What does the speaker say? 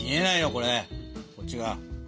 これこっちが。